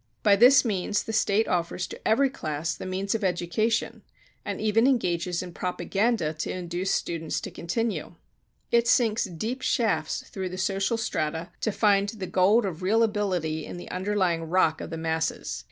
By this means the State offers to every class the means of education, and even engages in propaganda to induce students to continue. It sinks deep shafts through the social strata to find the gold of real ability in the underlying rock of the masses.